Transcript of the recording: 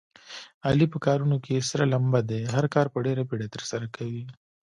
علي په کارونو کې سره لمبه دی. هر کار په ډېره بیړه ترسره کوي.